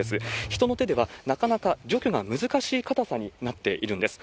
人の手ではなかなか除去が難しい硬さになっているんです。